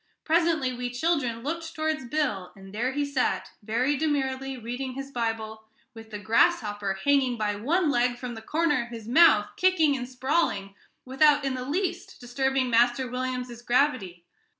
Presently we children looked towards Bill, and there he sat, very demurely reading his Bible, with the grasshopper hanging by one leg from the corner of his mouth, kicking and sprawling, without in the least disturbing Master William's gravity.